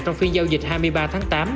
trong phiên giao dịch hai mươi ba tháng tám